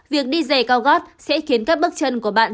việc đi dày cao gót sẽ khiến các bước chân của bạn